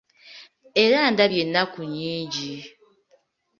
Era ndabye ennaku nyingi.